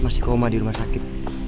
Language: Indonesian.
masih koma di rumah sakit